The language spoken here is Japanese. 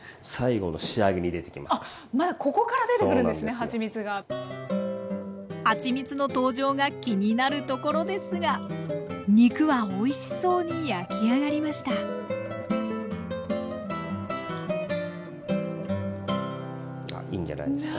はちみつの登場が気になるところですが肉はおいしそうに焼き上がりましたあいいんじゃないですか？